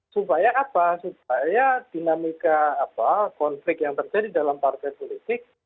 supaya apa supaya dinamika konflik yang terjadi dalam partai politik